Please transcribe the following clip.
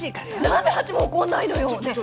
何でハチも怒んないのよ！